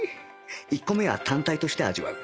１個目は単体として味わう